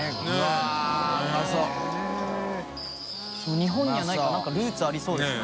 日本にはないから何かルーツありそうですよね。